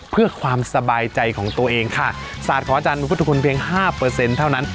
เพื่อความสบายใจของตัวเองค่ะศาสตร์ของอาจารย์พุทธคุณเพียงห้าเปอร์เซ็นต์เท่านั้น